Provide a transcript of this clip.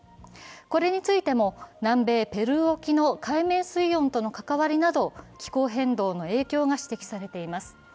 これについても南米ペルー沖の海面水温との関わりなど気候変動の影響が指摘されています。